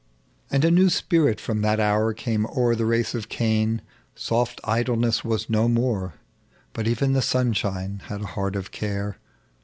" And a new spirit from that hour came o'er The race of Cain : soft idlesse was no jjiore. But even the sunshine had a heart of care.